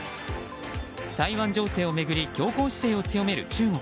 台湾情勢を巡り強硬姿勢を強める中国。